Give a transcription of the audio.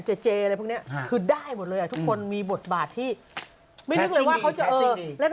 เจเจอะไรพวกนี้คือได้หมดเลยอ่ะทุกคนมีบทบาทที่ไม่นึกเลยว่าเขาจะเล่น